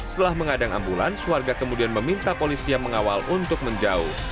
setelah mengadang ambulans warga kemudian meminta polisi yang mengawal untuk menjauh